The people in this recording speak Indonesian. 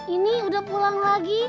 ini udah pulang lagi